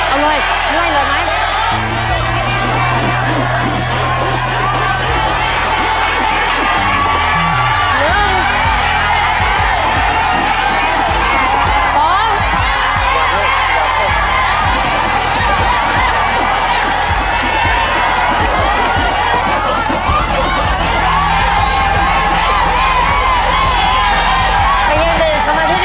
เอาเลยเร่งเหลือไหม